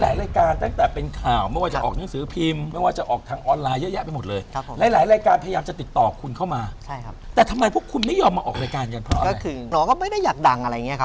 ยิ่งกว่าดาราอีกเนอะ